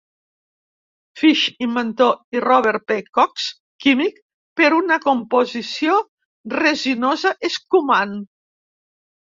Fish, inventor, i Robert P. Cox, químic, per una composició resinosa escumant.